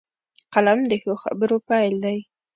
قلم د ښو خبرو پيل دی